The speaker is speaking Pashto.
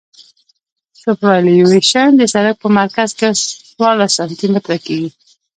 سوپرایلیویشن د سرک په مرکز کې څوارلس سانتي متره کیږي